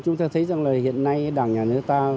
chúng ta thấy rằng là hiện nay đảng nhà nước ta